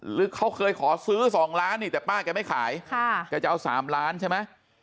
หรือเขาเคยขอซื้อ๒ล้านนี่แต่ป้าแกไม่ขายแกจะเอา๓ล้านใช่ไหม